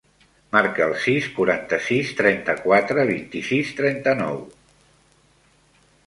Marca el sis, quaranta-sis, trenta-quatre, vint-i-sis, trenta-nou.